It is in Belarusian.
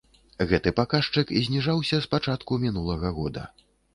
Гэты паказчык зніжаўся з пачатку мінулага года.